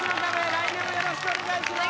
来年もよろしくお願いします。